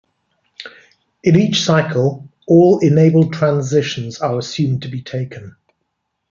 In each cycle, all enabled transitions are assumed to be taken.